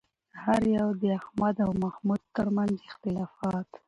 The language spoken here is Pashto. هر یو د احمد او محمود ترمنځ اختلافات